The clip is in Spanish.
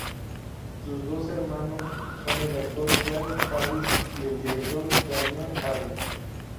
Sus dos hermanos son el actor Jared Harris y el director Damian Harris.